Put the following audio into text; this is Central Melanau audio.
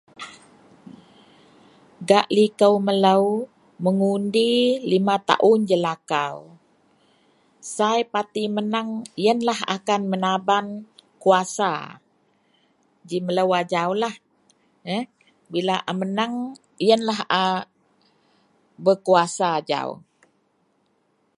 Gak likou melou, mengundi lima taun jelakau. Sai parti meneng yenlah akan menaban kuwasa ji melou ajaulah. …ee.. bila a meneng yenlah a berkuwasa ajau.